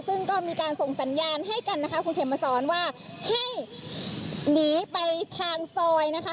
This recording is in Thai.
ซึ่งก็มีการส่งสัญญาณให้กันนะคะคุณเข็มมาสอนว่าให้หนีไปทางซอยนะคะ